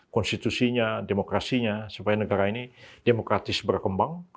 konstitusinya demokrasinya supaya negara ini demokratis berkembang